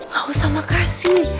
gak usah makasih